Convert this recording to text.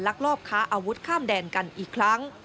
ลอบค้าอาวุธข้ามแดนกันอีกครั้ง